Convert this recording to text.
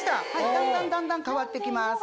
だんだんだんだん変わってきます。